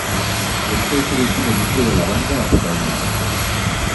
Este es el último disco de la banda hasta el momento.